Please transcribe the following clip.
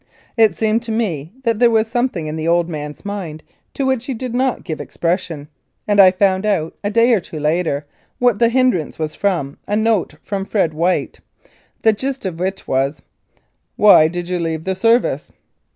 It seemed to me that there was some thing in the old man's mind to which he did not give expression, and I found out, a day or two later, what the hindrance was from a note from Fred White, the gist of which was, "Why did you leave the Service?"